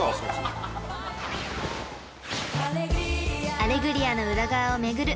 ［『アレグリア』の裏側を巡る